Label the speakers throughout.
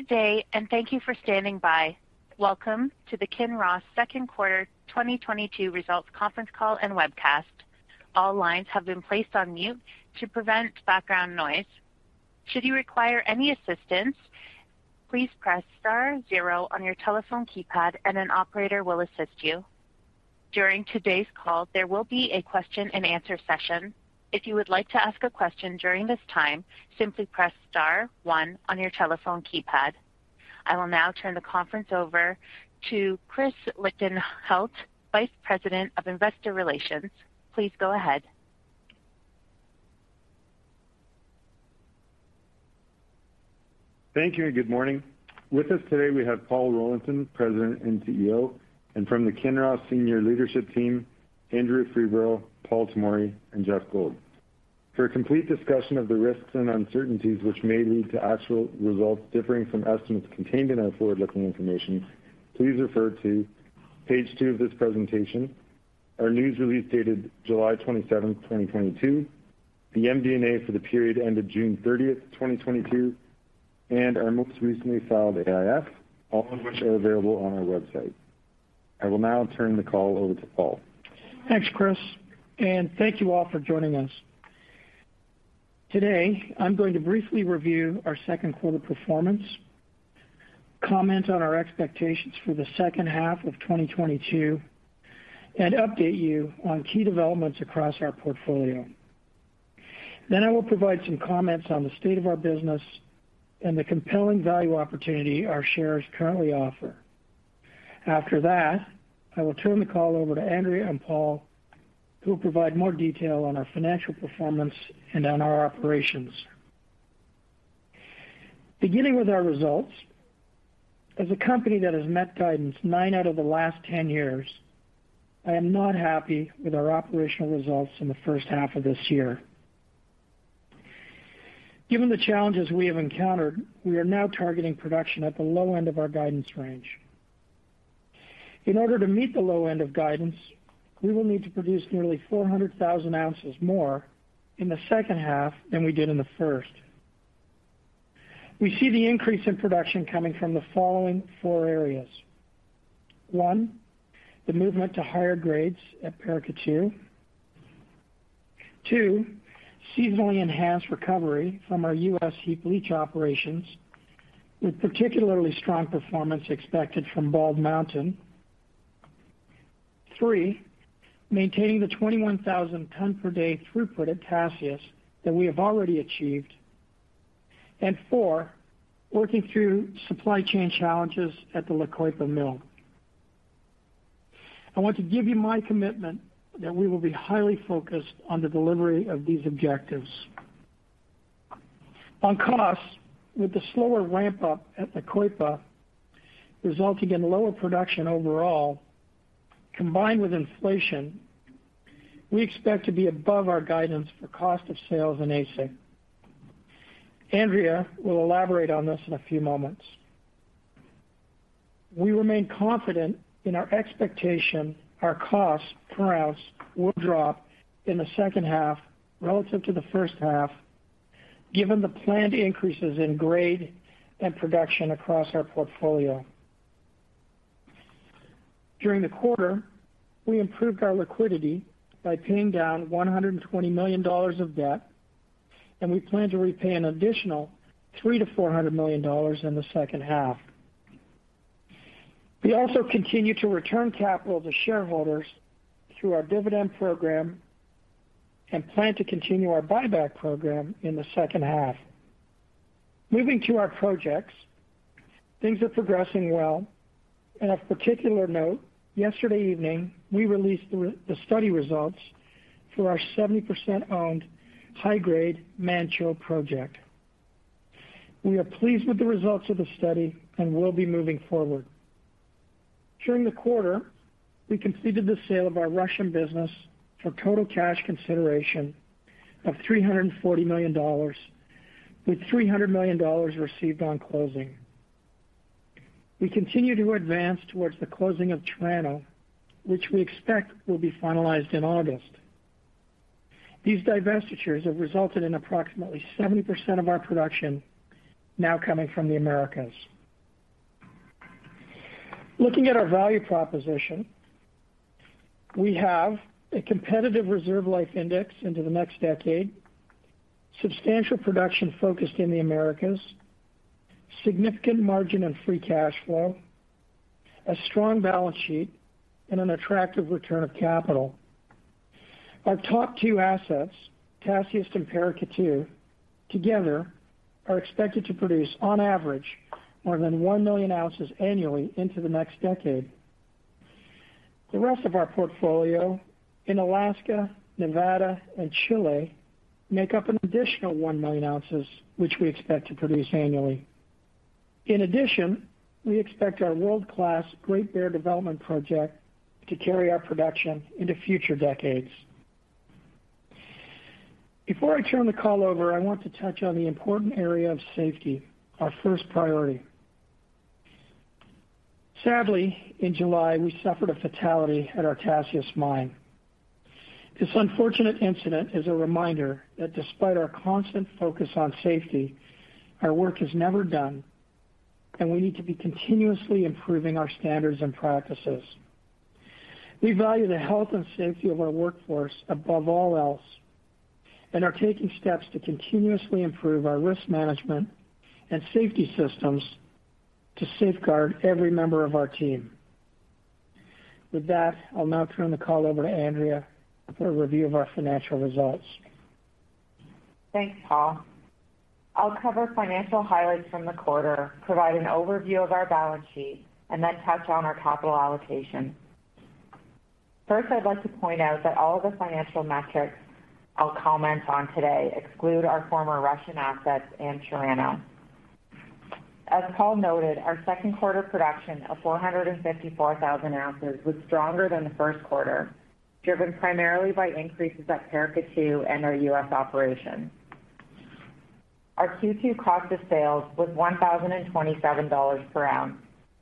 Speaker 1: Good day, and thank you for standing by. Welcome to the Kinross second quarter 2022 results conference call and webcast. All lines have been placed on mute to prevent background noise. Should you require any assistance, please press star zero on your telephone keypad and an operator will assist you. During today's call, there will be a question-and-answer session. If you would like to ask a question during this time, simply press star one on your telephone keypad. I will now turn the conference over to Chris Lichtenheldt, Vice President of Investor Relations. Please go ahead.
Speaker 2: Thank you, and good morning. With us today, we have Paul Rollinson, President and CEO. From the Kinross senior leadership team, Andrea Freeborough, Paul Tomory, and Geoff Gold. For a complete discussion of the risks and uncertainties which may lead to actual results differing from estimates contained in our forward-looking information, please refer to page two of this presentation, our news release dated July 27, 2022, the MD&A for the period end of June 30, 2022, and our most recently filed AIF, all of which are available on our website. I will now turn the call over to Paul.
Speaker 3: Thanks, Chris, and thank you all for joining us. Today, I'm going to briefly review our second quarter performance, comment on our expectations for the second half of 2022, and update you on key developments across our portfolio. I will provide some comments on the state of our business and the compelling value opportunity our shares currently offer. After that, I will turn the call over to Andrea and Paul, who will provide more detail on our financial performance and on our operations. Beginning with our results, as a company that has met guidance nine out of the last 10 years, I am not happy with our operational results in the first half of this year. Given the challenges we have encountered, we are now targeting production at the low end of our guidance range. In order to meet the low end of guidance, we will need to produce nearly 400,000 ounces more in the second half than we did in the first. We see the increase in production coming from the following four areas. One, the movement to higher grades at Paracatu. Two, seasonally enhanced recovery from our U.S. heap leach operations, with particularly strong performance expected from Bald Mountain. Three, maintaining the 21,000 ton per day throughput at Tasiast that we have already achieved. And four, working through supply chain challenges at the La Coipa mill. I want to give you my commitment that we will be highly focused on the delivery of these objectives. On cost, with the slower ramp up at La Coipa resulting in lower production overall, combined with inflation, we expect to be above our guidance for cost of sales and AISC. Andrea will elaborate on this in a few moments. We remain confident in our expectation our costs per ounce will drop in the second half relative to the first half, given the planned increases in grade and production across our portfolio. During the quarter, we improved our liquidity by paying down $120 million of debt, and we plan to repay an additional $300 million-$400 million in the second half. We also continue to return capital to shareholders through our dividend program and plan to continue our buyback program in the second half. Moving to our projects, things are progressing well. On a particular note, yesterday evening, we released the study results for our 70% owned high-grade Manh Choh project. We are pleased with the results of the study and will be moving forward. During the quarter, we completed the sale of our Russian business for total cash consideration of $340 million, with $300 million received on closing. We continue to advance towards the closing of Chirano, which we expect will be finalized in August. These divestitures have resulted in approximately 70% of our production now coming from the Americas. Looking at our value proposition, we have a competitive Reserve Life Index into the next decade, substantial production focused in the Americas, significant margin and free cash flow, a strong balance sheet, and an attractive return of capital. Our top two assets, Tasiast and Paracatu, together are expected to produce on average more than 1 million ounces annually into the next decade. The rest of our portfolio in Alaska, Nevada, and Chile make up an additional 1 million ounces, which we expect to produce annually. In addition, we expect our world-class Great Bear development project to carry our production into future decades. Before I turn the call over, I want to touch on the important area of safety, our first priority. Sadly, in July, we suffered a fatality at our Tasiast mine. This unfortunate incident is a reminder that despite our constant focus on safety, our work is never done, and we need to be continuously improving our standards and practices. We value the health and safety of our workforce above all else and are taking steps to continuously improve our risk management and safety systems to safeguard every member of our team. With that, I'll now turn the call over to Andrea for a review of our financial results.
Speaker 4: Thanks, Paul. I'll cover financial highlights from the quarter, provide an overview of our balance sheet, and then touch on our capital allocation. First, I'd like to point out that all the financial metrics I'll comment on today exclude our former Russian assets and Chirano. As Paul noted, our second quarter production of 454,000 ounces was stronger than the first quarter, driven primarily by increases at Paracatu and our U.S. operation. Our Q2 cost of sales was $1,027 per ounce,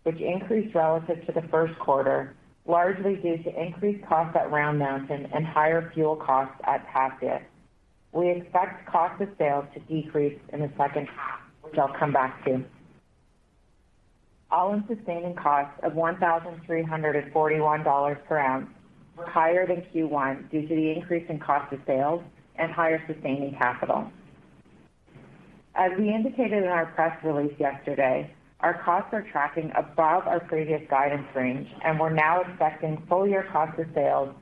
Speaker 4: which increased relative to the first quarter, largely due to increased costs at Round Mountain and higher fuel costs at Tasiast. We expect cost of sales to decrease in the second half, which I'll come back to. All-in sustaining costs of $1,341 per ounce were higher than Q1 due to the increase in cost of sales and higher sustaining capital. As we indicated in our press release yesterday, our costs are tracking above our previous guidance range, and we're now expecting full-year cost of sales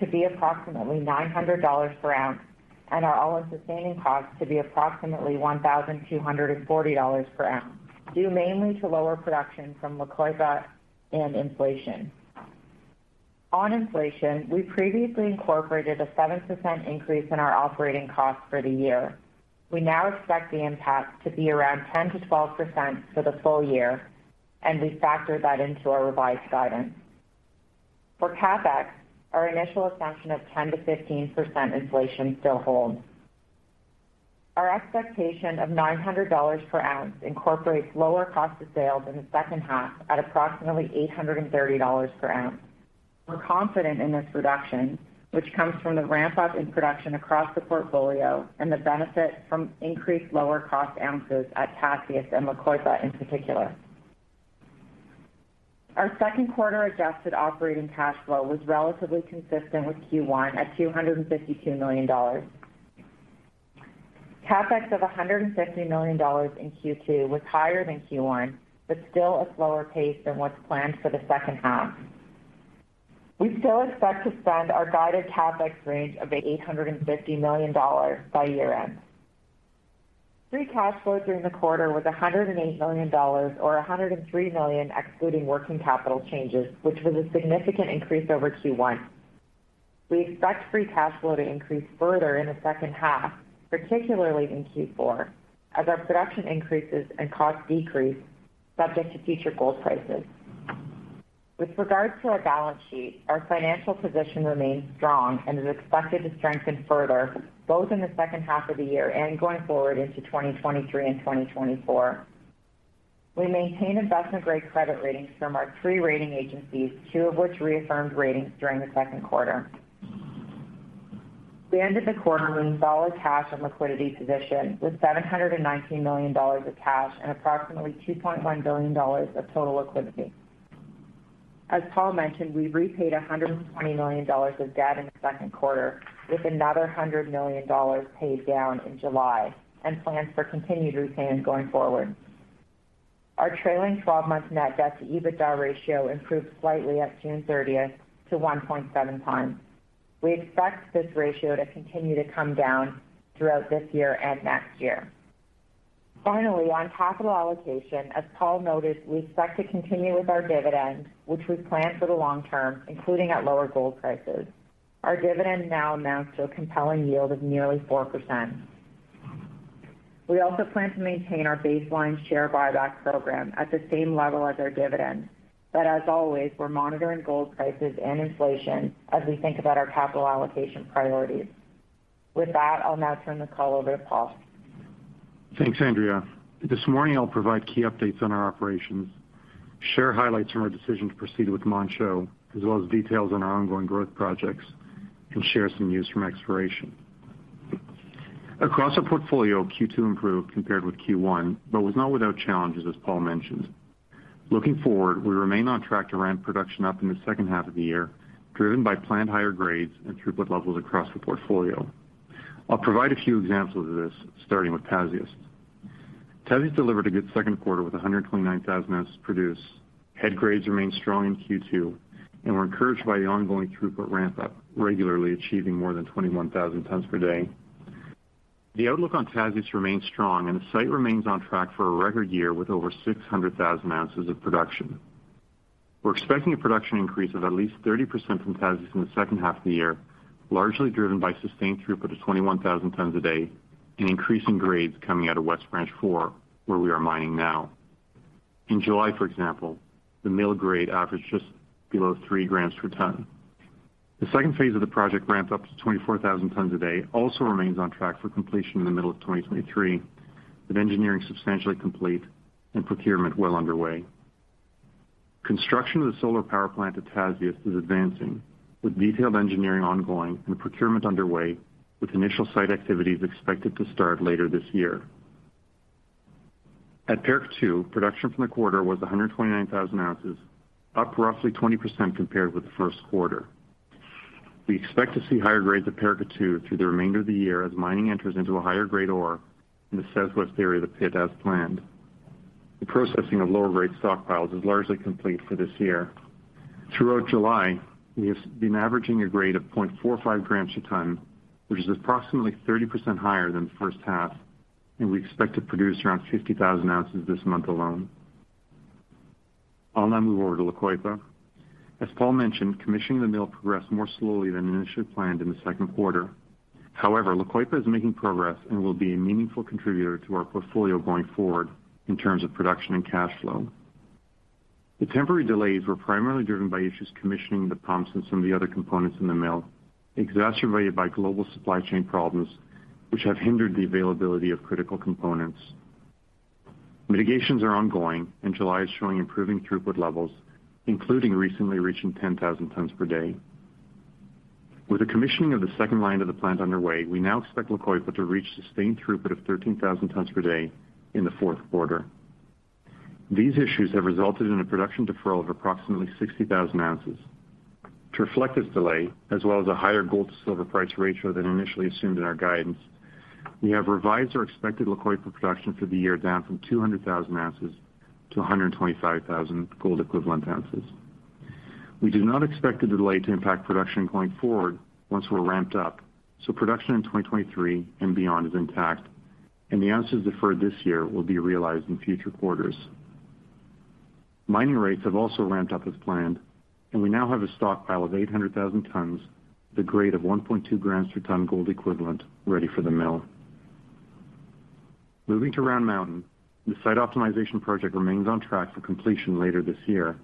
Speaker 4: to be approximately $900 per ounce and our all-in sustaining costs to be approximately $1,240 per ounce, due mainly to lower production from Manh Choh and inflation. On inflation, we previously incorporated a 7% increase in our operating costs for the year. We now expect the impact to be around 10%-12% for the full-year, and we factor that into our revised guidance. For CapEx, our initial assumption of 10%-15% inflation still holds. Our expectation of $900 per ounce incorporates lower cost of sales in the second half at approximately $830 per ounce. We're confident in this reduction, which comes from the ramp up in production across the portfolio and the benefit from increased lower cost ounces at Tasiast and Manh Choh in particular. Our second quarter adjusted operating cash flow was relatively consistent with Q1 at $252 million. CapEx of $150 million in Q2 was higher than Q1, but still a slower pace than what's planned for the second half. We still expect to spend our guided CapEx range of $850 million by year-end. Free cash flow during the quarter was $108 million or $103 million excluding working capital changes, which was a significant increase over Q1. We expect free cash flow to increase further in the second half, particularly in Q4, as our production increases and costs decrease subject to future gold prices. With regards to our balance sheet, our financial position remains strong and is expected to strengthen further, both in the second half of the year and going forward into 2023 and 2024. We maintain investment-grade credit ratings from our three rating agencies, two of which reaffirmed ratings during the second quarter. We ended the quarter with a solid cash and liquidity position with $719 million of cash and approximately $2.1 billion of total liquidity. As Paul mentioned, we repaid $120 million of debt in the second quarter, with another $100 million paid down in July and plans for continued repayment going forward. Our trailing 12-month net debt to EBITDA ratio improved slightly at June 30th to 1.7x. We expect this ratio to continue to come down throughout this year and next year. Finally, on capital allocation, as Paul noted, we expect to continue with our dividend, which we've planned for the long term, including at lower gold prices. Our dividend now amounts to a compelling yield of nearly 4%. We also plan to maintain our baseline share buyback program at the same level as our dividend. As always, we're monitoring gold prices and inflation as we think about our capital allocation priorities. With that, I'll now turn the call over to Paul.
Speaker 5: Thanks, Andrea. This morning, I'll provide key updates on our operations, share highlights on our decision to proceed with Manh Choh, as well as details on our ongoing growth projects and share some news from exploration. Across our portfolio, Q2 improved compared with Q1, but was not without challenges, as Paul mentioned. Looking forward, we remain on track to ramp production up in the second half of the year, driven by planned higher grades and throughput levels across the portfolio. I'll provide a few examples of this, starting with Tasiast. Tasiast delivered a good second quarter with 129,000 ounces produced. Head grades remained strong in Q2, and we're encouraged by the ongoing throughput ramp up, regularly achieving more than 21,000 tons per day. The outlook on Tasiast remains strong, and the site remains on track for a record year with over 600,000 ounces of production. We're expecting a production increase of at least 30% from Tasiast in the second half of the year, largely driven by sustained throughput of 21,000 tons a day and increasing grades coming out of West Branch 4, where we are mining now. In July, for example, the mill grade averaged just below 3 g per ton. The second phase of the project ramped up to 24,000 tons a day, also remains on track for completion in the middle of 2023, with engineering substantially complete and procurement well underway. Construction of the solar power plant at Tasiast is advancing, with detailed engineering ongoing and procurement underway, with initial site activities expected to start later this year. At Paracatu, production from the quarter was 129,000 ounces, up roughly 20% compared with the first quarter. We expect to see higher grades at Paracatu through the remainder of the year as mining enters into a higher-grade ore in the southwest area of the pit as planned. The processing of lower grade stockpiles is largely complete for this year. Throughout July, we have been averaging a grade of 0.45 g a ton, which is approximately 30% higher than the first half, and we expect to produce around 50,000 ounces this month alone. I'll now move over to La Coipa. As Paul mentioned, commissioning the mill progressed more slowly than initially planned in the second quarter. However, La Coipa is making progress and will be a meaningful contributor to our portfolio going forward in terms of production and cash flow. The temporary delays were primarily driven by issues commissioning the pumps and some of the other components in the mill, exacerbated by global supply chain problems which have hindered the availability of critical components. Mitigations are ongoing, and July is showing improving throughput levels, including recently reaching 10,000 tons per day. With the commissioning of the second line of the plant underway, we now expect La Coipa to reach sustained throughput of 13,000 tons per day in the fourth quarter. These issues have resulted in a production deferral of approximately 60,000 ounces. To reflect this delay, as well as a higher gold to silver price ratio than initially assumed in our guidance, we have revised our expected La Coipa production for the year down from 200,000 ounces to 125,000 gold equivalent ounces. We do not expect the delay to impact production going forward once we're ramped up, so production in 2023 and beyond is intact, and the ounces deferred this year will be realized in future quarters. Mining rates have also ramped up as planned, and we now have a stockpile of 800,000 tons with a grade of 1.2 g per ton gold equivalent ready for the mill. Moving to Round Mountain, the site optimization project remains on track for completion later this year.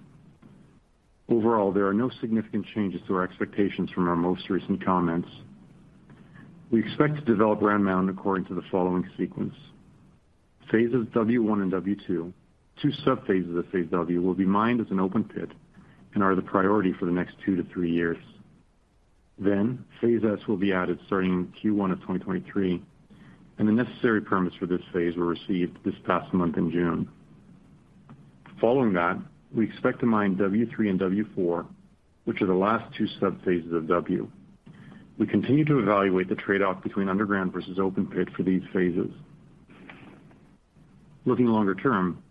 Speaker 5: Overall, there are no significant changes to our expectations from our most recent comments. We expect to develop Round Mountain according to the following sequence. Phases W1 and W2, two sub-phases of Phase W will be mined as an open pit and are the priority for the next two to three years. Phase X will be added starting in Q1 of 2023, and the necessary permits for this phase were received this past month in June. Following that, we expect to mine W3 and W4, which are the last two sub-phases of W. We continue to evaluate the trade-off between underground versus open pit for these phases. Looking longer term,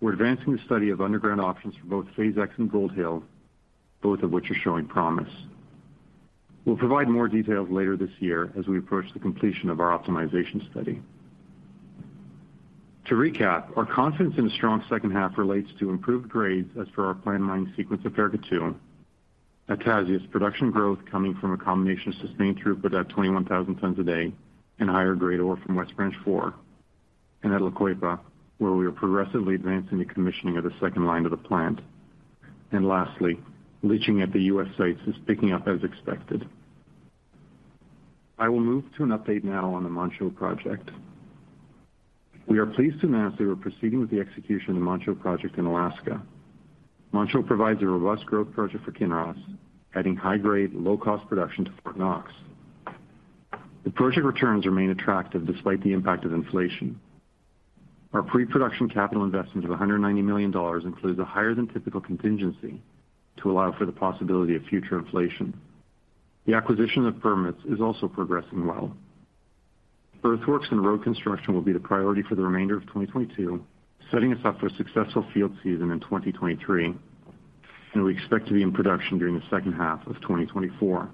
Speaker 5: we're advancing the study of underground options for both Phase X and Gold Hill, both of which are showing promise. We'll provide more details later this year as we approach the completion of our optimization study. To recap, our confidence in a strong second half relates to improved grades as per our planned mining sequence at Paracatu. At Tasiast, production growth coming from a combination of sustained throughput at 21,000 tons a day and higher-grade ore from West Branch 4. At La Coipa, where we are progressively advancing the commissioning of the second line of the plant. Lastly, leaching at the U.S. sites is picking up as expected. I will move to an update now on the Manh Choh project. We are pleased to announce that we're proceeding with the execution of the Manh Choh project in Alaska. Manh Choh provides a robust growth project for Kinross, adding high-grade, low-cost production to Fort Knox. The project returns remain attractive despite the impact of inflation. Our pre-production capital investment of $190 million includes a higher than typical contingency to allow for the possibility of future inflation. The acquisition of permits is also progressing well. Earthworks and road construction will be the priority for the remainder of 2022, setting us up for a successful field season in 2023. We expect to be in production during the second half of 2024.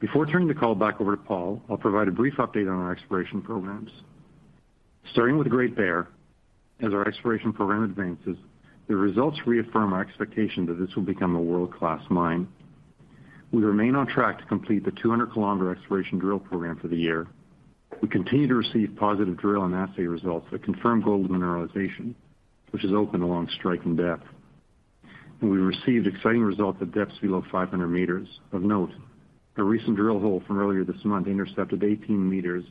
Speaker 5: Before turning the call back over to Paul, I'll provide a brief update on our exploration programs. Starting with Great Bear, as our exploration program advances, the results reaffirm our expectation that this will become a world-class mine. We remain on track to complete the 200-km exploration drill program for the year. We continue to receive positive drill and assay results that confirm gold mineralization, which is open along strike and depth. We received exciting results at depths below 500 m. Of note, a recent drill hole from earlier this month intercepted 18 m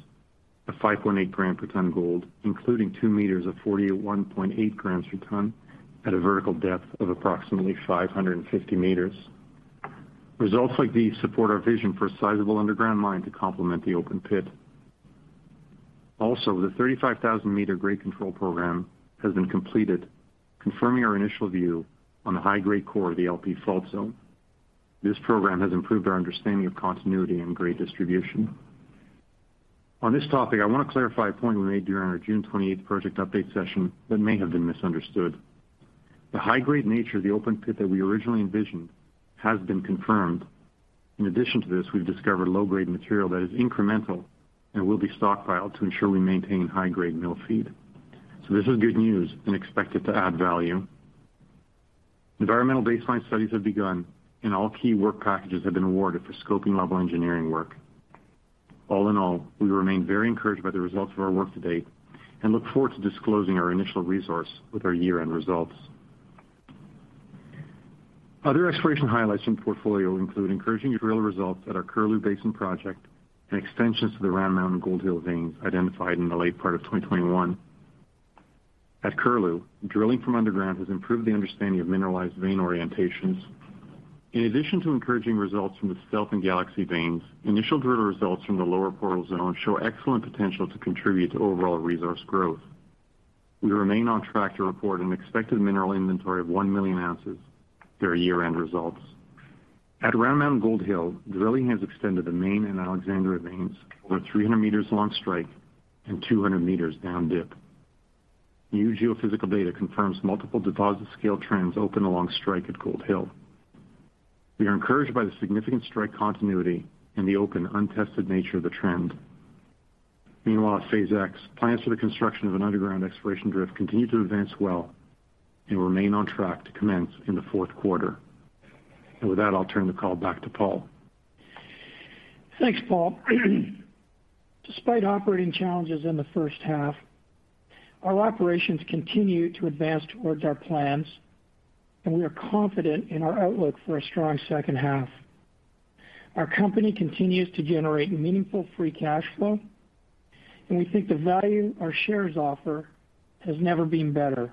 Speaker 5: of 5.8 g per tonne gold, including 2 m of 41.8 g per tonne at a vertical depth of approximately 550 m. Results like these support our vision for a sizable underground mine to complement the open pit. Also, the 35,000-m grade control program has been completed, confirming our initial view on the high-grade core of the LP fault zone. This program has improved our understanding of continuity and grade distribution. On this topic, I want to clarify a point we made during our June 28th project update session that may have been misunderstood. The high-grade nature of the open pit that we originally envisioned has been confirmed. In addition to this, we've discovered low-grade material that is incremental and will be stockpiled to ensure we maintain high-grade mill feed. This is good news and expected to add value. Environmental baseline studies have begun, and all key work packages have been awarded for scoping level engineering work. All in all, we remain very encouraged by the results of our work to date and look forward to disclosing our initial resource with our year-end results. Other exploration highlights from the portfolio include encouraging drill results at our Curlew Basin project and extensions to the Round Mountain Gold Hill veins identified in the late part of 2021. At Curlew, drilling from underground has improved the understanding of mineralized vein orientations. In addition to encouraging results from the Stealth and Galaxy veins, initial driller results from the lower portal zone show excellent potential to contribute to overall resource growth. We remain on track to report an expected mineral inventory of 1 million ounces through our year-end results. At Round Mountain Gold Hill, drilling has extended the Main and Alexandra veins over 300 m long strike and 200 m down dip. New geophysical data confirms multiple deposit scale trends open along strike at Gold Hill. We are encouraged by the significant strike continuity in the open, untested nature of the trend. Meanwhile, at Phase X, plans for the construction of an underground exploration drift continue to advance well and remain on track to commence in the fourth quarter. With that, I'll turn the call back to Paul.
Speaker 3: Thanks, Paul. Despite operating challenges in the first half, our operations continue to advance towards our plans, and we are confident in our outlook for a strong second half. Our company continues to generate meaningful free cash flow, and we think the value our shares offer has never been better.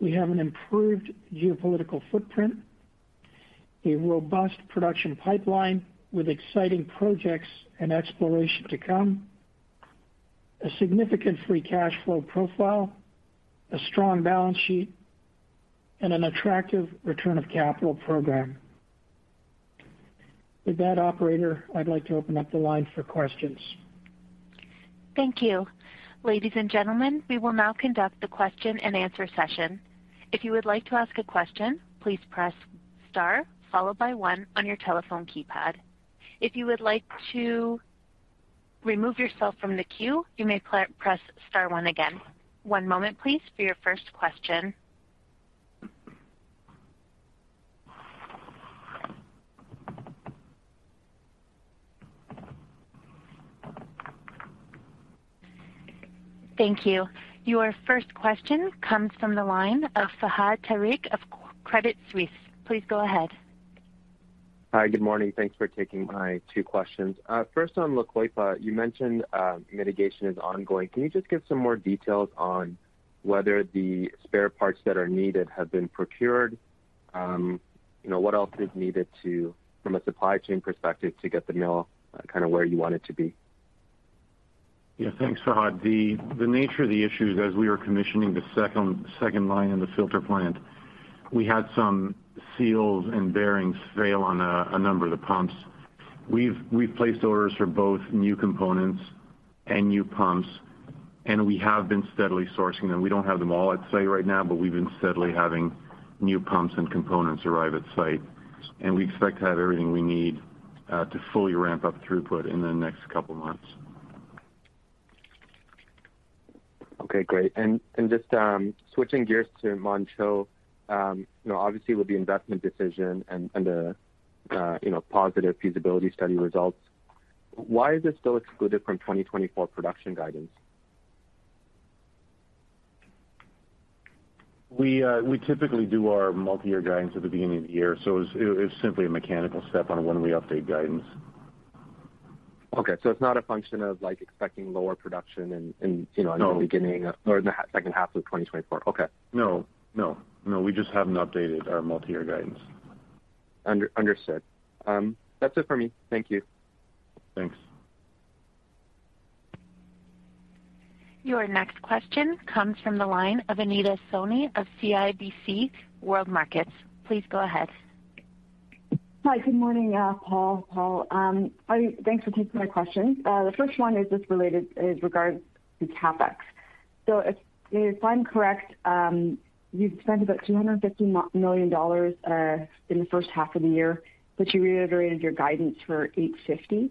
Speaker 3: We have an improved geopolitical footprint, a robust production pipeline with exciting projects and exploration to come, a significant free cash flow profile, a strong balance sheet, and an attractive return of capital program. With that, operator, I'd like to open up the line for questions.
Speaker 1: Thank you. Ladies and gentlemen, we will now conduct the question-and-answer session. If you would like to ask a question, please press star followed by one on your telephone keypad. If you would like to remove yourself from the queue, you may press star one again. One moment please, for your first question. Thank you. Your first question comes from the line of Fahad Tariq of Credit Suisse. Please go ahead.
Speaker 6: Hi, good morning. Thanks for taking my two questions. First on La Coipa, you mentioned, mitigation is ongoing. Can you just give some more details on whether the spare parts that are needed have been procured? You know, what else is needed to, from a supply chain perspective, to get the mill kind of where you want it to be?
Speaker 5: Yeah. Thanks, Fahad. The nature of the issue is, as we were commissioning the second line in the filter plant, we had some seals and bearings fail on a number of the pumps. We've placed orders for both new components and new pumps, and we have been steadily sourcing them. We don't have them all at site right now, but we've been steadily having new pumps and components arrive at site. We expect to have everything we need to fully ramp up throughput in the next couple of months.
Speaker 6: Okay, great. Just switching gears to Manh Choh. You know, obviously, with the investment decision and the positive feasibility study results, why is it still excluded from 2024 production guidance?
Speaker 5: We typically do our multi-year guidance at the beginning of the year, so it's simply a mechanical step on when we update guidance.
Speaker 6: It's not a function of, like, expecting lower production in, you know.
Speaker 5: No.
Speaker 6: Second half of 2024. Okay.
Speaker 5: No, no. No, we just haven't updated our multi-year guidance.
Speaker 6: Understood. That's it for me. Thank you.
Speaker 5: Thanks.
Speaker 1: Your next question comes from the line of Anita Soni of CIBC World Markets. Please go ahead.
Speaker 7: Hi. Good morning, Paul. Thanks for taking my questions. The first one is just related as regards to CapEx. If I'm correct, you've spent about $250 million in the first half of the year, but you reiterated your guidance for $850 million.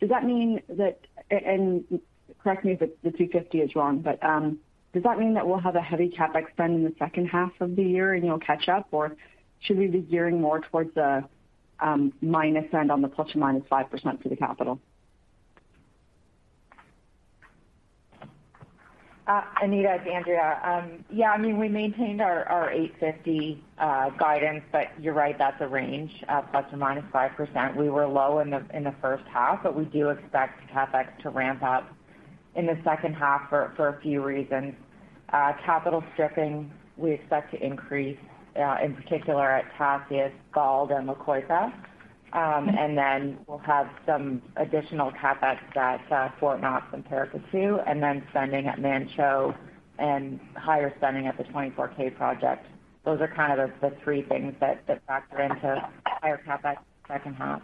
Speaker 7: Does that mean that? And correct me if the $250 million is wrong, but does that mean that we'll have a heavy CapEx spend in the second half of the year and you'll catch up? Should we be gearing more towards the minus end on the ±5% for the capital?
Speaker 4: Anita, it's Andrea. Yeah, I mean, we maintained our $850 million guidance, but you're right, that's a range of ±5%. We were low in the first half, but we do expect CapEx to ramp up in the second half for a few reasons. Capital stripping, we expect to increase in particular at Tasiast, Bald Mountain, and La Coipa. We'll have some additional CapEx at Fort Knox and Paracatu, and then spending at Manh Choh and higher spending at the Tasiast 24k project. Those are kind of the three things that factor into higher CapEx second half.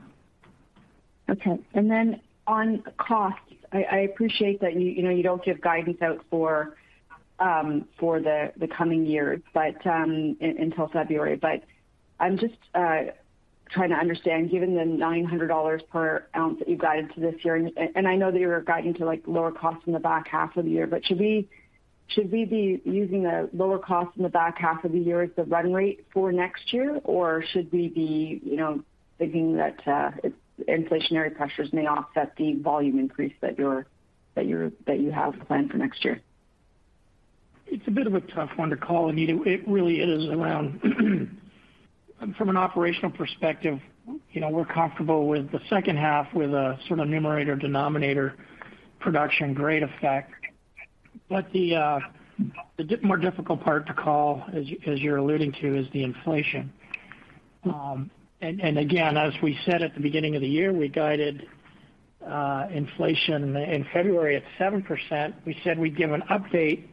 Speaker 7: Okay. Then on costs, I appreciate that you know, you don't give guidance out for the coming year, but until February. I'm just trying to understand, given the $900 per ounce that you've guided to this year, and I know that you were guiding to, like, lower costs in the back half of the year. But should we be using a lower cost in the back half of the year as the run rate for next year? Or should we be, you know, thinking that inflationary pressures may offset the volume increase that you have planned for next year?
Speaker 3: It's a bit of a tough one to call, Anita. It really is around from an operational perspective, you know, we're comfortable with the second half with a sort of numerator, denominator production grade effect. The more difficult part to call, as you're alluding to, is the inflation. Again, as we said at the beginning of the year, we guided inflation in February at 7%. We said we'd give an update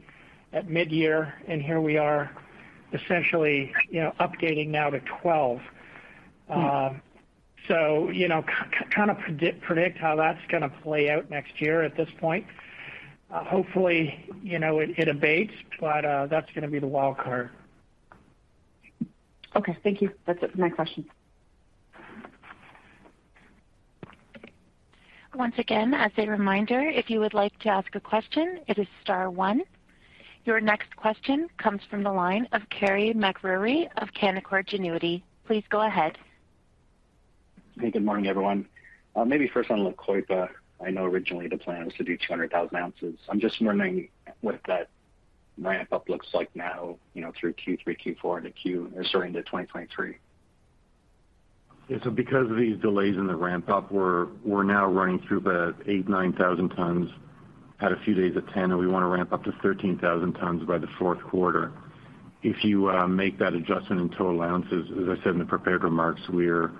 Speaker 3: at midyear, and here we are essentially, you know, updating now to 12%. You know, kind of predict how that's gonna play out next year at this point. Hopefully, you know, it abates, but that's gonna be the wild card.
Speaker 7: Okay. Thank you. That's it for my question.
Speaker 1: Once again, as a reminder, if you would like to ask a question, it is star one. Your next question comes from the line of Carey MacRury of Canaccord Genuity. Please go ahead.
Speaker 8: Hey, good morning, everyone. Maybe first on La Coipa. I know originally the plan was to do 200,000 ounces. I'm just wondering what that ramp up looks like now, you know, through Q3, Q4 or sorry, into 2023.
Speaker 5: Yeah. Because of these delays in the ramp up, we're now running through the 8,000-9,000 tons, had a few days at 10, and we wanna ramp up to 13,000 tons by the fourth quarter. If you make that adjustment in total ounces, as I said in the prepared remarks, we're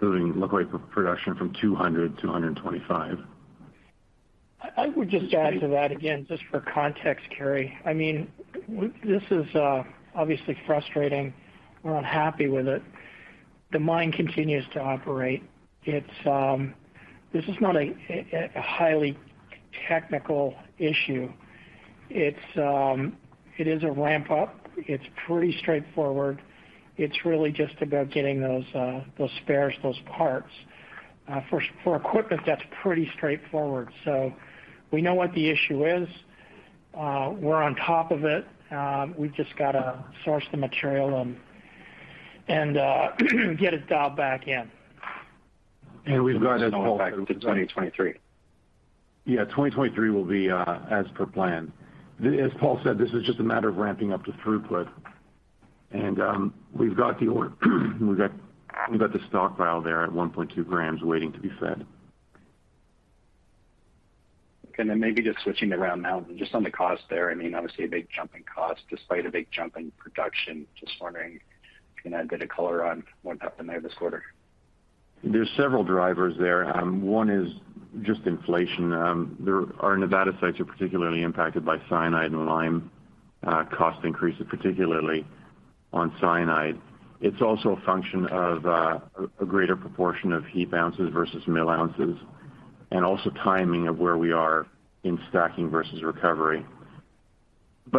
Speaker 5: moving La Coipa production from 200 to 125.
Speaker 3: I would just add to that again, just for context, Carey. I mean, this is obviously frustrating. We're unhappy with it. The mine continues to operate. It's this is not a highly technical issue. It's it is a ramp up. It's pretty straightforward. It's really just about getting those spares, those parts for equipment, that's pretty straightforward. We know what the issue is. We're on top of it. We've just gotta source the material and get it dialed back in.
Speaker 5: We've got it all back into 2023. Yeah, 2023 will be as per plan. As Paul said, this is just a matter of ramping up the throughput. We've got the stockpile there at 1.2 g waiting to be fed.
Speaker 8: Okay. Then maybe just switching to Round Mountain, just on the cost there, I mean, obviously a big jump in cost despite a big jump in production. Just wondering if you can add a bit of color on what happened there this quarter.
Speaker 5: There are several drivers there. One is just inflation. Our Nevada sites are particularly impacted by cyanide and lime cost increases, particularly on cyanide. It's also a function of a greater proportion of heap ounces versus mill ounces, and also timing of where we are in stacking versus recovery.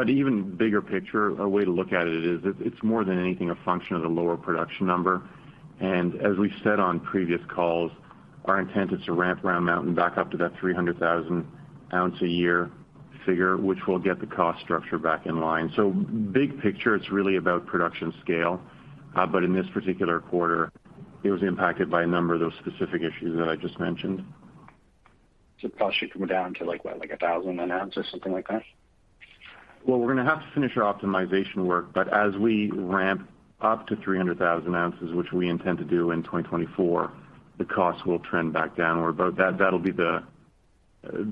Speaker 5: Even bigger picture, a way to look at it is, it's more than anything, a function of the lower production number. As we've said on previous calls, our intent is to ramp Round Mountain back up to that 300,000 ounce a year figure, which will get the cost structure back in line. Big picture, it's really about production scale. In this particular quarter, it was impacted by a number of those specific issues that I just mentioned.
Speaker 8: Costs should come down to like, what, like $1,000 an ounce or something like that?
Speaker 5: Well, we're gonna have to finish our optimization work, but as we ramp up to 300,000 ounces, which we intend to do in 2024, the costs will trend back downward. That'll be the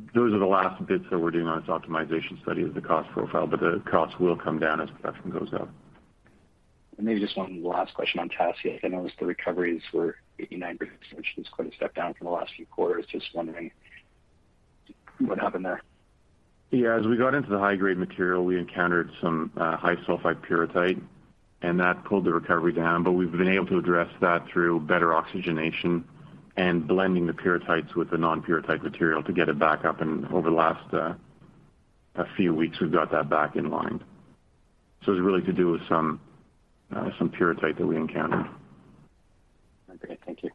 Speaker 5: last bits that we're doing on this optimization study of the cost profile, but the costs will come down as production goes up.
Speaker 8: Maybe just one last question on Tasiast. I noticed the recoveries were 89%, which is quite a step down from the last few quarters. Just wondering what happened there.
Speaker 5: Yeah. As we got into the high-grade material, we encountered some high sulfide pyrrhotite, and that pulled the recovery down, but we've been able to address that through better oxygenation and blending the pyrrhotite with the non-pyrrhotite material to get it back up. Over the last few weeks, we've got that back in line. It's really to do with some pyrrhotite that we encountered.
Speaker 8: Okay. Thank you.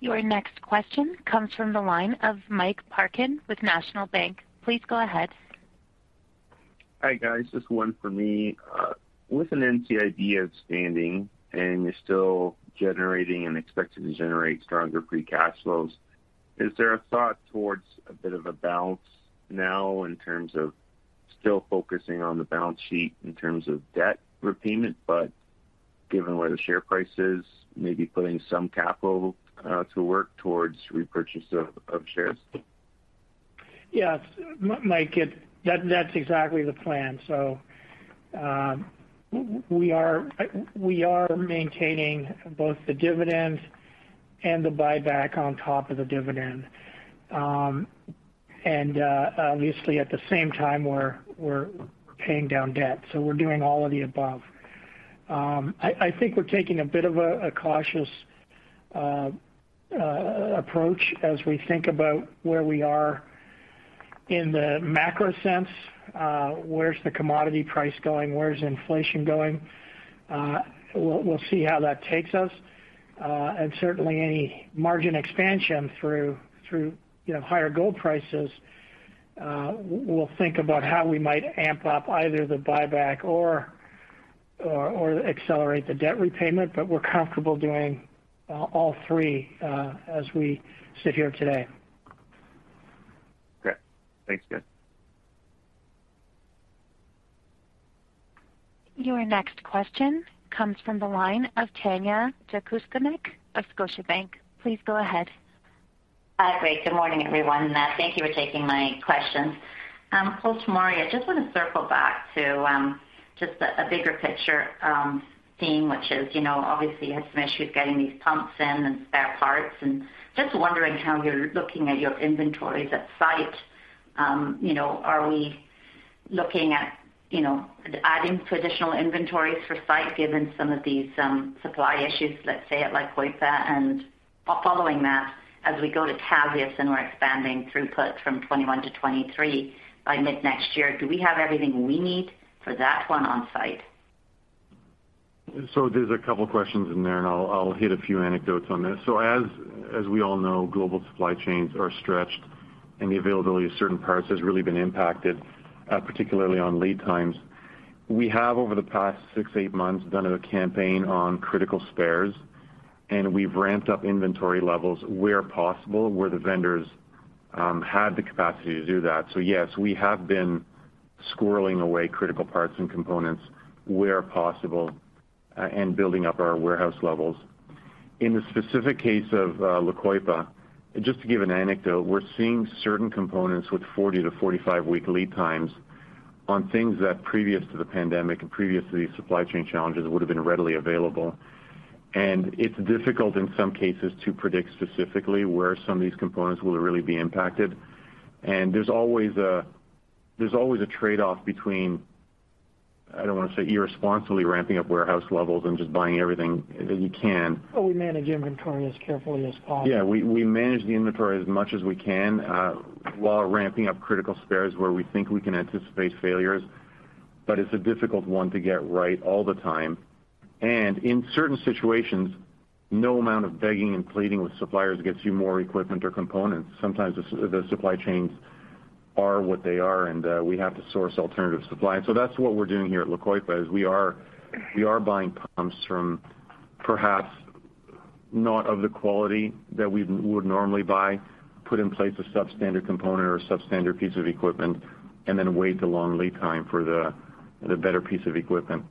Speaker 1: Your next question comes from the line of Mike Parkin with National Bank Financial. Please go ahead.
Speaker 9: Hi, guys. Just one for me. With an NCIB outstanding and you're still generating and expected to generate stronger free cash flows, is there a thought towards a bit of a balance now in terms of still focusing on the balance sheet in terms of debt repayment, but given where the share price is, maybe putting some capital to work towards repurchase of shares?
Speaker 3: Yes, Mike, that's exactly the plan. We are maintaining both the dividend and the buyback on top of the dividend. Obviously at the same time, we're paying down debt, so we're doing all of the above. I think we're taking a bit of a cautious approach as we think about where we are in the macro sense, where's the commodity price going? Where's inflation going? We'll see how that takes us. Certainly any margin expansion through, you know, higher gold prices, we'll think about how we might amp up either the buyback or accelerate the debt repayment, but we're comfortable doing all three as we sit here today.
Speaker 9: Great. Thanks, guys.
Speaker 1: Your next question comes from the line of Tanya Jakusconek of Scotiabank. Please go ahead.
Speaker 10: Hi. Great. Good morning, everyone. Thank you for taking my questions. Paul Tomory, I just want to circle back to just a bigger picture theme, which is, you know, obviously you had some issues getting these pumps in and spare parts, and just wondering how you're looking at your inventories at site. You know, are we looking at, you know, adding traditional inventories for site given some of these supply issues, let's say at La Coipa? Following that, as we go to Tasiast and we're expanding throughput from 2021 to 2023 by mid-next year, do we have everything we need for that one on site?
Speaker 5: There's a couple questions in there, and I'll hit a few anecdotes on this. As we all know, global supply chains are stretched, and the availability of certain parts has really been impacted, particularly on lead times. We have, over the past six to eight months, done a campaign on critical spares, and we've ramped up inventory levels where possible, where the vendors had the capacity to do that. Yes, we have been squirreling away critical parts and components where possible, and building up our warehouse levels. In the specific case of La Coipa, just to give an anecdote, we're seeing certain components with 40 to 45-week lead times on things that previous to the pandemic and previous to these supply chain challenges would have been readily available. It's difficult in some cases to predict specifically where some of these components will really be impacted. There's always a trade-off between, I don't want to say irresponsibly ramping up warehouse levels and just buying everything that you can.
Speaker 3: Well, we manage inventory as carefully as possible.
Speaker 5: Yeah, we manage the inventory as much as we can, while ramping up critical spares where we think we can anticipate failures. It's a difficult one to get right all the time. In certain situations, no amount of begging and pleading with suppliers gets you more equipment or components. Sometimes the supply chains are what they are, and we have to source alternative supply. That's what we're doing here at La Coipa, is we are buying pumps from perhaps not of the quality that we would normally buy, put in place a substandard component or a substandard piece of equipment, and then wait the long lead time for the better piece of equipment.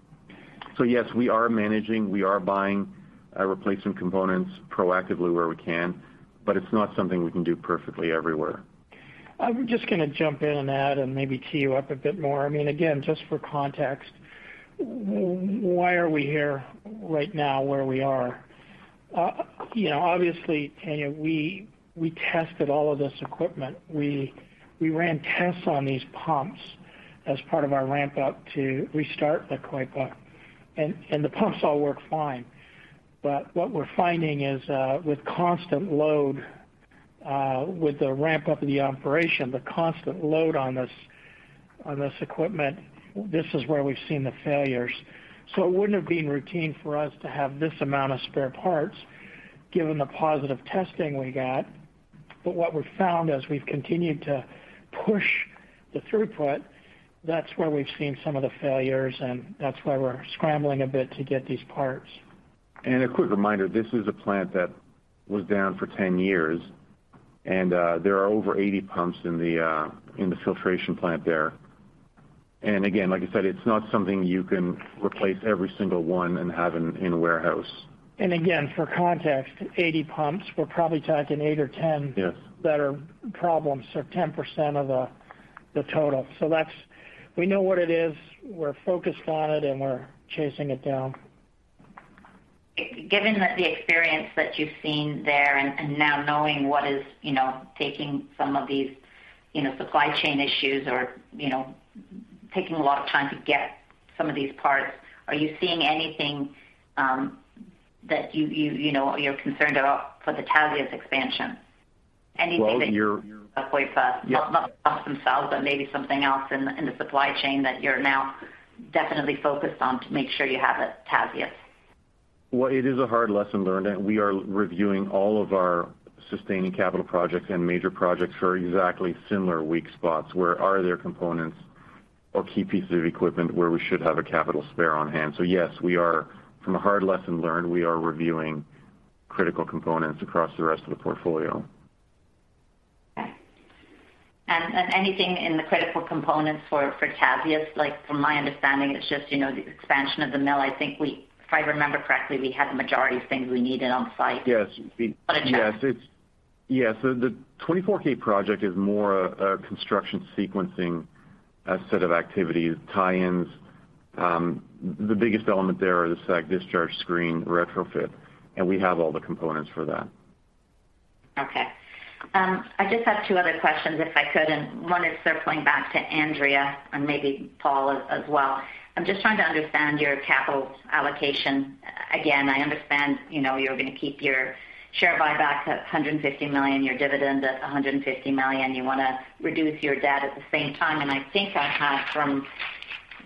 Speaker 5: Yes, we are managing. We are buying replacement components proactively where we can, but it's not something we can do perfectly everywhere.
Speaker 3: I'm just gonna jump in on that and maybe tee you up a bit more. I mean, again, just for context, why are we here right now where we are? You know, obviously, Tanya, we tested all of this equipment. We ran tests on these pumps as part of our ramp up to restart La Coipa, and the pumps all work fine. But what we're finding is, with constant load, with the ramp up of the operation, the constant load on this equipment, this is where we've seen the failures. So it wouldn't have been routine for us to have this amount of spare parts given the positive testing we got. But what we've found as we've continued to push the throughput, that's where we've seen some of the failures, and that's why we're scrambling a bit to get these parts.
Speaker 5: A quick reminder, this is a plant that was down for 10 years, and there are over 80 pumps in the filtration plant there. Again, like I said, it's not something you can replace every single one and have in a warehouse.
Speaker 3: For context, 80 pumps, we're probably talking eight or 10-
Speaker 5: Yes.
Speaker 3: That are problems, so 10% of the total. We know what it is, we're focused on it, and we're chasing it down.
Speaker 10: Given that the experience that you've seen there and now knowing what is, you know, taking some of these, you know, supply chain issues or, you know, taking a lot of time to get some of these parts, are you seeing anything that you know you're concerned about for the Tasiast expansion?
Speaker 5: Well.
Speaker 10: La Coipa, not themselves, but maybe something else in the supply chain that you're now definitely focused on to make sure you have at Tasiast.
Speaker 5: Well, it is a hard lesson learned, and we are reviewing all of our sustaining capital projects and major projects for exactly similar weak spots. Where are there components or key pieces of equipment where we should have a capital spare on hand? Yes, we are, from a hard lesson learned, we are reviewing critical components across the rest of the portfolio.
Speaker 10: Okay. Anything in the critical components for Tasiast? Like, from my understanding, it's just, you know, the expansion of the mill. I think if I remember correctly, we had the majority of things we needed on site.
Speaker 5: Yes.
Speaker 10: I checked.
Speaker 5: Yes. The 24k project is more a construction sequencing set of activities, tie-ins. The biggest element there is the SAG discharge screen retrofit, and we have all the components for that.
Speaker 10: Okay. I just have two other questions, if I could, and one is circling back to Andrea and maybe Paul as well. I'm just trying to understand your capital allocation. Again, I understand, you know, you're gonna keep your share buyback at $150 million, your dividend at $150 million. You wanna reduce your debt at the same time. I think I have, from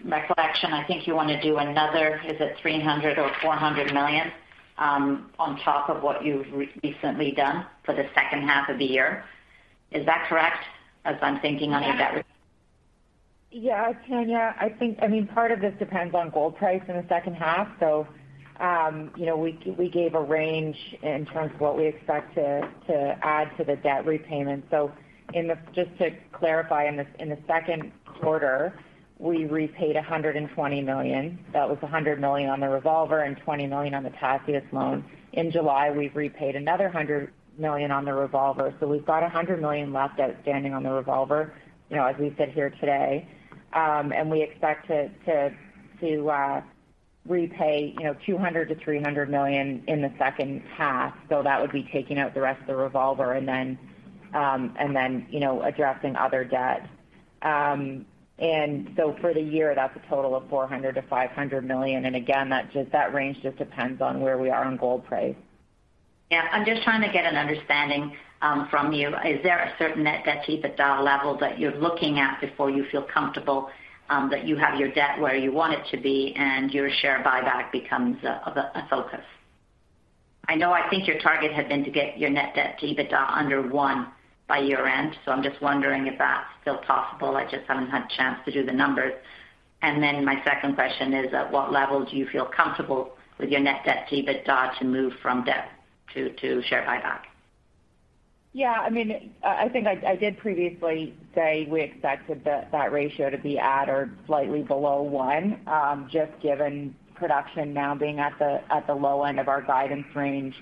Speaker 10: recollection, I think you want to do another, is it $300 million or $400 million, on top of what you've recently done for the second half of the year. Is that correct? As I'm thinking on any of that.
Speaker 4: Yeah, Tanya, I think—I mean, part of this depends on gold price in the second half. You know, we gave a range in terms of what we expect to add to the debt repayment. Just to clarify, in the second quarter, we repaid $120 million. That was $100 million on the revolver and $20 million on the Tasiast loan. In July, we've repaid another $100 million on the revolver. We've got $100 million left outstanding on the revolver, you know, as we sit here today. And we expect to repay, you know, $200 million-$300 million in the second half. That would be taking out the rest of the revolver and then, you know, addressing other debt. For the year, that's a total of $400 million-$500 million. Again, that range just depends on where we are on gold price.
Speaker 10: Yeah. I'm just trying to get an understanding, from you. Is there a certain net debt to EBITDA level that you're looking at before you feel comfortable, that you have your debt where you want it to be and your share buyback becomes a focus? I know, I think your target had been to get your net debt to EBITDA under one by year-end. I'm just wondering if that's still possible. I just haven't had a chance to do the numbers. My second question is, at what level do you feel comfortable with your net debt to EBITDA to move from debt to share buyback?
Speaker 4: I mean, I think I did previously say we expected that ratio to be at or slightly below one. Just given production now being at the low end of our guidance range,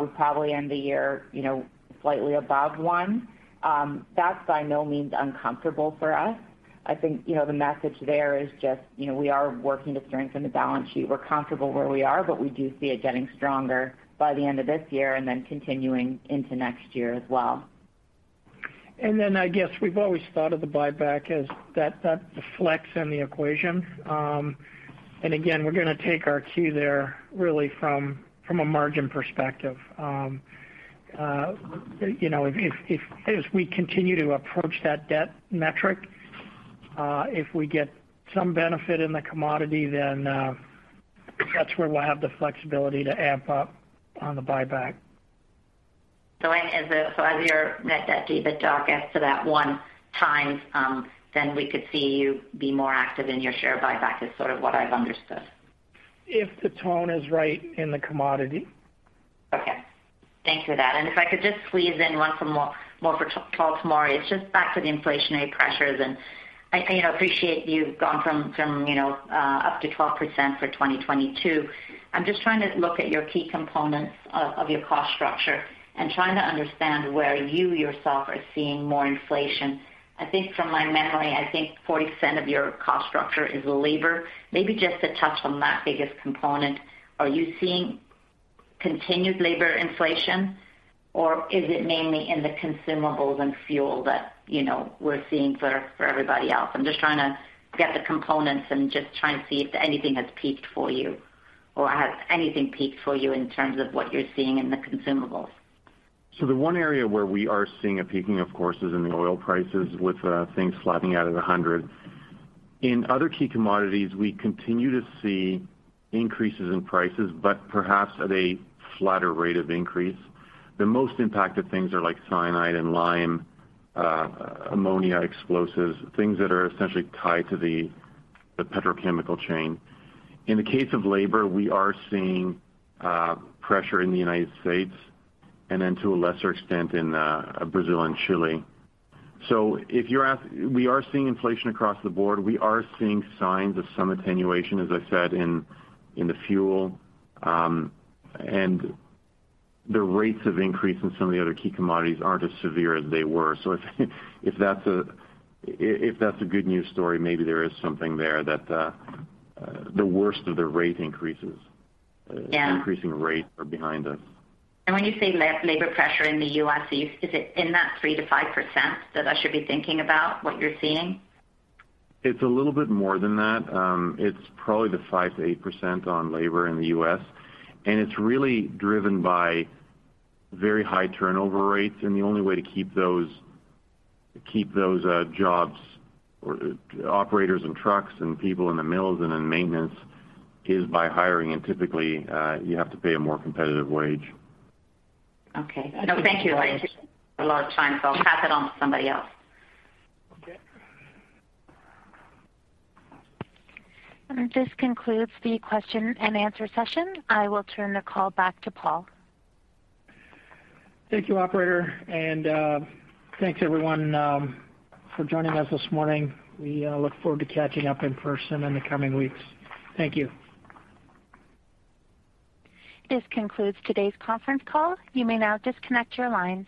Speaker 4: we probably end the year, you know, slightly above one. That's by no means uncomfortable for us. I think, you know, the message there is just, you know, we are working to strengthen the balance sheet. We're comfortable where we are, but we do see it getting stronger by the end of this year and then continuing into next year as well.
Speaker 3: I guess we've always thought of the buyback as that flex in the equation. Again, we're gonna take our cue there really from a margin perspective. You know, if as we continue to approach that debt metric, if we get some benefit in the commodity, then that's where we'll have the flexibility to amp up on the buyback.
Speaker 10: As your net debt to EBITDA gets to that one times, then we could see you be more active in your share buyback is sort of what I've understood.
Speaker 3: If the tone is right in the commodity.
Speaker 10: Okay. Thanks for that. If I could just squeeze in one more for Paul Tomory. It's just back to the inflationary pressures, and I, you know, appreciate you've gone from, you know, up to 12% for 2022. I'm just trying to look at your key components of your cost structure and trying to understand where you yourself are seeing more inflation. I think from my memory, I think 40% of your cost structure is labor. Maybe just to touch on that biggest component, are you seeing continued labor inflation, or is it mainly in the consumables and fuel that, you know, we're seeing for everybody else? I'm just trying to get the components and just trying to see if anything has peaked for you or has anything peaked for you in terms of what you're seeing in the consumables.
Speaker 5: The one area where we are seeing a peaking, of course, is in the oil prices with things slapping out at $100 million. In other key commodities, we continue to see increases in prices, but perhaps at a flatter rate of increase. The most impacted things are like cyanide and lime, ammonia, explosives, things that are essentially tied to the petrochemical chain. In the case of labor, we are seeing pressure in the United States and then to a lesser extent in Brazil and Chile. We are seeing inflation across the board. We are seeing signs of some attenuation, as I said, in the fuel. And the rates of increase in some of the other key commodities aren't as severe as they were. If that's a good news story, maybe there is something there that the worst of the rate increases.
Speaker 10: Yeah.
Speaker 5: The increasing rates are behind us.
Speaker 10: When you say labor pressure in the U.S., is it in that 3%-5% that I should be thinking about what you're seeing?
Speaker 5: It's a little bit more than that. It's probably the 5%-8% on labor in the U.S., and it's really driven by very high turnover rates and the only way to keep those jobs or operators and trucks and people in the mills and in maintenance is by hiring. Typically, you have to pay a more competitive wage.
Speaker 10: Okay. No, thank you. I took a lot of time, so I'll pass it on to somebody else.
Speaker 5: Okay.
Speaker 1: This concludes the question and answer session. I will turn the call back to Paul.
Speaker 3: Thank you, operator. Thanks, everyone, for joining us this morning. We look forward to catching up in person in the coming weeks. Thank you.
Speaker 1: This concludes today's conference call. You may now disconnect your lines.